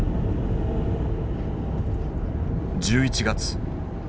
１１月。